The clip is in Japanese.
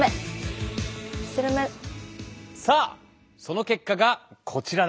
さあその結果がこちらだ。